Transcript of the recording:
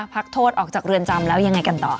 พักโทษออกจากเรือนจำแล้วยังไงกันต่อ